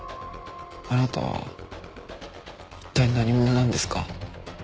あなたは一体何者なんですか？